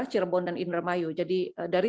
cirebon dan indramayu jadi dari